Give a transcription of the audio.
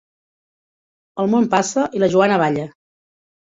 El món passa i la Joana balla.